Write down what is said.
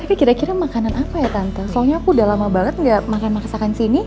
tapi kira kira makanan apa ya tante soalnya aku udah lama banget gak makan masakan sini